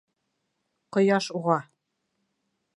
Ҡояш уға: